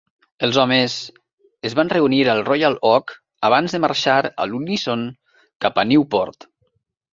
Els homes es van reunir al Royal Oak abans de marxar a l'uníson cap a Newport.